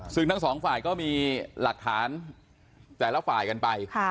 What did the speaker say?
ซึ่งทั้งสองฝ่ายก็มีหลักฐานแต่ละฝ่ายกันไป